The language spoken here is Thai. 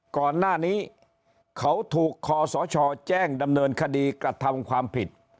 ก่อนหน้านี้เขาถูกคอสชแจ้งดำเนินคดีกระทำความผิด